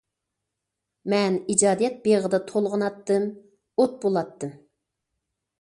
مەن ئىجادىيەت بېغىدا تولغىناتتىم، ئوت بولاتتىم.